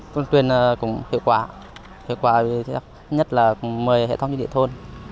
tuyên truyền cũng hiệu quả hiệu quả nhất là mời hệ thống dịch địa thôn